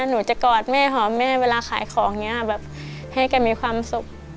หนูจะกอดแม่หอมแม่เวลาขายของอย่างนี้แบบให้แกมีความสุข